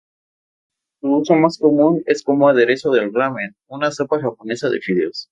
Su uso más común es como aderezo del ramen, una sopa japonesa de fideos.